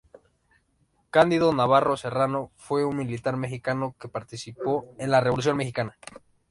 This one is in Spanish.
Cándido Navarro Serrano fue un militar mexicano que participó en la Revolución mexicana.